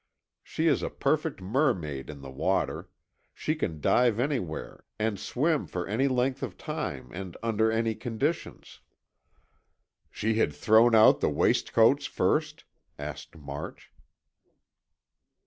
She is a perfect mermaid in the water; she can dive anywhere and swim for any length of time and under any conditions." "She had thrown out the waistcoats first?" asked March.